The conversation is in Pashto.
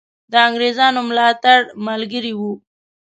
د انګرېزانو ملاتړ ملګری وو.